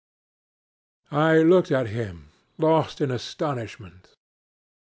III "I looked at him, lost in astonishment.